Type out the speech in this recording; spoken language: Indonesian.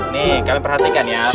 nih kalian perhatikan ya